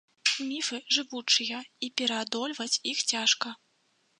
Міфы жывучыя і пераадольваць іх цяжка.